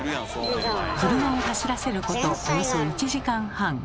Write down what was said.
車を走らせることおよそ１時間半。